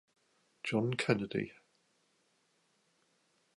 John Kennedy.